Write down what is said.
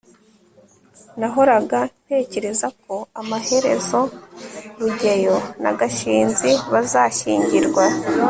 nahoraga ntekereza ko amaherezo rugeyo na gashinzi bazashyingirwa